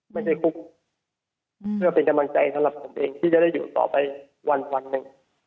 คุกเพื่อเป็นกำลังใจสำหรับผมเองที่จะได้อยู่ต่อไปวันหนึ่ง